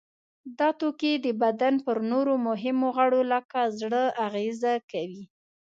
دا توکي د بدن پر نورو مهمو غړو لکه زړه اغیزه کوي.